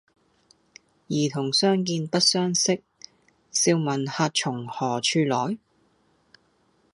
兒童相見不相識，笑問客從何處來？